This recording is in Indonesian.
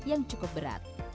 yang cukup berat